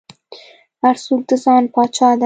هر څوک د ځان پاچا دى.